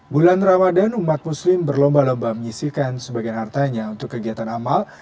bulan ramadan umat muslim berlomba lomba menyisihkan sebagian hartanya untuk kegiatan amal